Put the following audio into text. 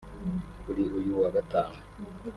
kuri uyu wa Gatanu